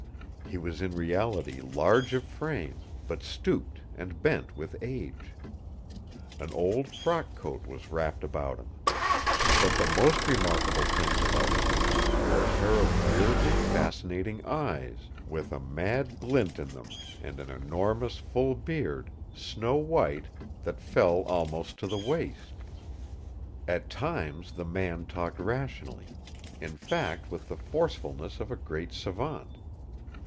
He was in reality large of frame, but stooped and bent with age. An old frock coat was wrapped about him. But the most remarkable things about the man were a pair of weirdly fascinating eyes with a mad glint in them and an enormous full beard, snow white, that fell almost to his waist. At times the man talked rationally, in fact with the forcefulness of a great savant.